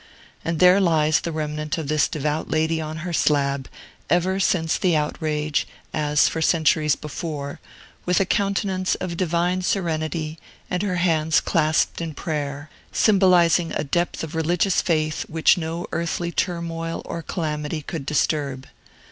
And there lies the remnant of this devout lady on her slab, ever since the outrage, as for centuries before, with a countenance of divine serenity and her hands clasped in prayer, symbolizing a depth of religious faith which no earthly turmoil or calamity could disturb.